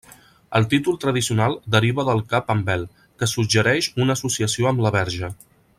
El títol tradicional deriva del cap amb vel, que suggereix una associació amb la Verge.